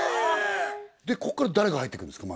でこっから誰が入ってくるんですか？